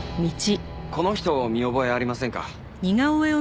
この人見覚えありませんか？